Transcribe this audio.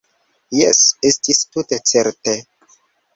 Jes, estis tute certe.